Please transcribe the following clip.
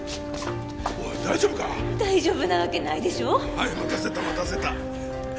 はい待たせた待たせた。